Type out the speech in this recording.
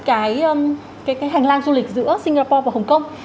cái hành lang du lịch giữa singapore và hong kong